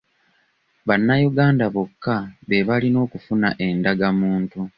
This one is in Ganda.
Bannayunda bokka be balina okufuna endagamuntu.